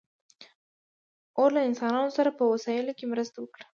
اور له انسانانو سره په وسایلو کې مرسته وکړه.